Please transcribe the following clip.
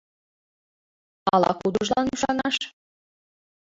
Ала-кудыжлан ӱшанаш?